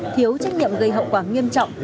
thiếu trách nhiệm gây hậu quả nghiêm trọng